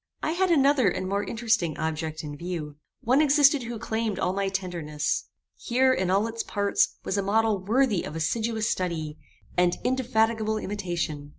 I had another and more interesting object in view. One existed who claimed all my tenderness. Here, in all its parts, was a model worthy of assiduous study, and indefatigable imitation.